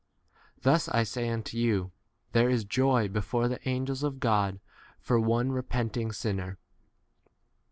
Thus, I say unto you, there is joy 1 before the angels of God for one repenting sinner.